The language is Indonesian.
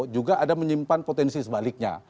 juga ada menyimpan potensi sebaliknya